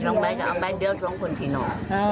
มันมี๒ใบแต่เอาแบบเดียวถึงคนที่น้อง